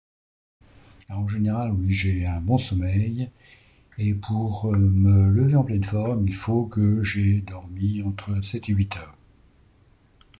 Alors, en général, oui, j'ai un bon sommeil et pour me lever en pleine forme, il faut que j'ai dormi entre sept et huit heures.